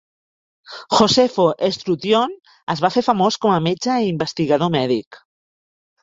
Josefo Estrutión es va fer famós com a metge i investigador mèdic.